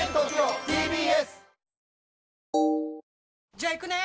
じゃあ行くね！